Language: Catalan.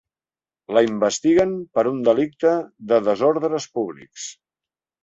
La investiguen per un delicte de desordres públics.